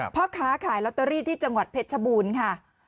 พ่อค้าขายลอตเตอรี่ที่จังหวัดเพชรชบูรณ์ค่ะ